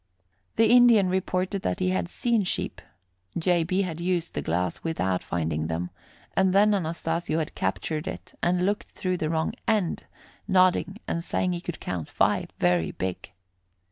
The Indian reported that he had seen sheep. J. B. had used the glass without finding them, and then Anastasio had captured it and looked through the wrong end, nodding and saying he could count five, very big.